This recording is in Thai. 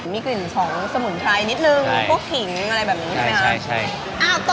มีกลิ่นของสมุนไพรนิดนึงพวกขิงอะไรแบบนี้ใช่ไหมคะ